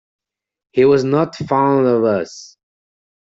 He was not fond of us.